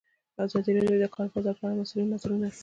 ازادي راډیو د د کار بازار په اړه د مسؤلینو نظرونه اخیستي.